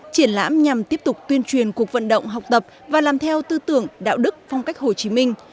triển lãm nhằm tiếp tục tuyên truyền cuộc vận động học tập và làm theo tư tưởng đạo đức phong cách hồ chí minh